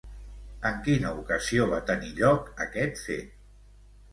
En quina ocasió va tenir lloc aquest fet?